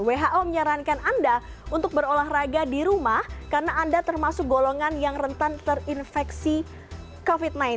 who menyarankan anda untuk berolahraga di rumah karena anda termasuk golongan yang rentan terinfeksi covid sembilan belas